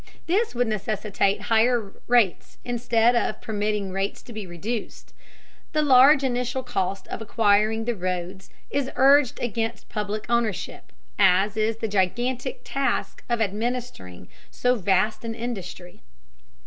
This would necessitate higher rates instead of permitting rates to be reduced. The large initial cost of acquiring the roads is urged against public ownership, as is the gigantic task of administering so vast an industry.